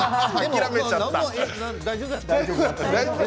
大丈夫よ。